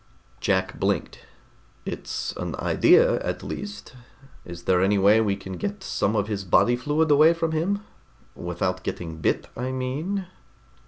Jack blinked. "It's an idea, at least. Is there any way we can get some of his body fluid away from him? Without getting bit, I mean?"